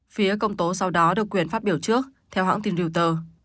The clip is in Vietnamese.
phía công tố sau đó được quyền phát biểu trước theo hãng tin reuter